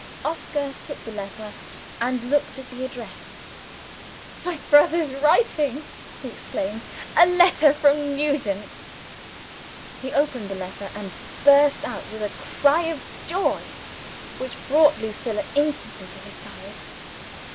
Oscar took the letter, and looked at the address. "My brother's writing!" he exclaimed. "A letter from Nugent!" He opened the letter and burst out with a cry of joy which brought Lucilla instantly to his side.